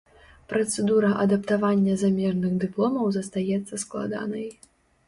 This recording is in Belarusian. Працэдура адаптавання замежных дыпломаў застаецца складанай.